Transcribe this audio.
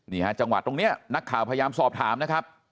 นี่ฮะจังหวัดตรงนี้นักข่าวพยายามสอบถามนะครับ